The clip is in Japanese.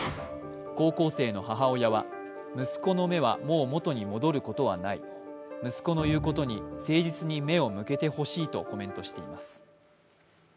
高校生の母親は、息子の目はもう元に戻ることはない息子の言うことに誠実に目を向けてほしいとコメントしています。